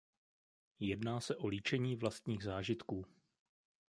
Jedná se o líčení vlastních zážitků.